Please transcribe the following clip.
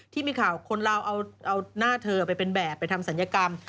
ที่มีข่าวคนเราเอาหน้าเธอไปเป็นแบบไปทำศัลยกรรม